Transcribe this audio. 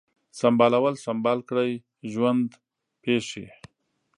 سمبالول ، سمبال کړی ، ژوند پیښې